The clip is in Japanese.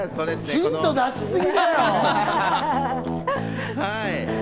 ヒント出しすぎだよ。